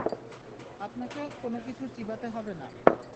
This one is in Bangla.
আপনাকে কোনোকিছু চিবাতে হবে না।